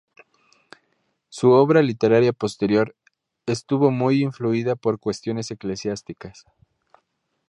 Su obra literaria posterior estuvo muy influida por cuestiones eclesiásticas.